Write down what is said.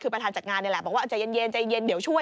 คือประธานจัดงานนี่แหละบอกว่าใจเย็นใจเย็นเดี๋ยวช่วย